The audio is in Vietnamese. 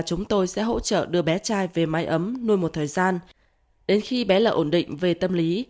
chúng tôi sẽ hỗ trợ đưa bé trai về mái ấm nuôi một thời gian đến khi bé là ổn định về tâm lý